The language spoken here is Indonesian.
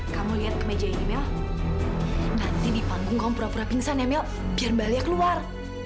kamu lihat kemejaan ini mil nanti di panggung kamu pura pura pingsan ya mil biar mbak alia keluar